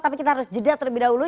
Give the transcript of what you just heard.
tapi kita harus jeda terlebih dahulu